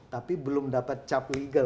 tapi belum dapat cap legal